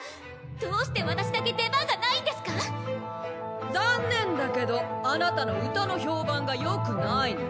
どうして私だけ出番がないんですか⁉残念だけどあなたの歌の評判がよくないの。